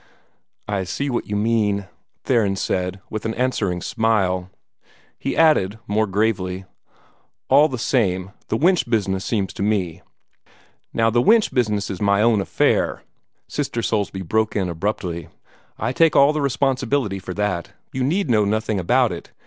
"I see what you mean," Theron said, with an answering smile. He added, more gravely, "All the same, the Winch business seems to me " "Now the Winch business is my own affair," Sister Soulsby broke in abruptly. "I take all the responsibility for that. You need know nothing about it.